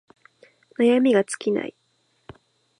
悩みが尽きない